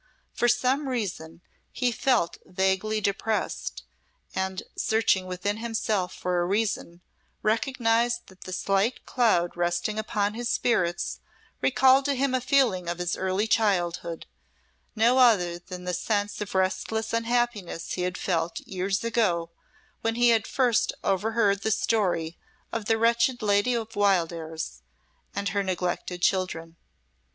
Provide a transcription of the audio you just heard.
For some reason he felt vaguely depressed, and, searching within himself for a reason, recognised that the slight cloud resting upon his spirits recalled to him a feeling of his early childhood no other than the sense of restless unhappiness he had felt years ago when he had first overheard the story of the wretched Lady of Wildairs and her neglected children.